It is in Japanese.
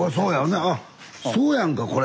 あっそうやんかこれ！